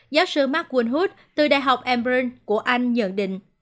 giáo sư mark wynhut từ đại học edinburgh của anh nhận định